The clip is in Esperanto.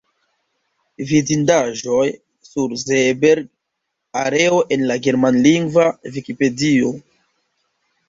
Vidindaĵoj sur Seeberg-areo en la germanlingva Vikipedio.